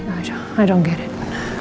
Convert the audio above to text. aku gak paham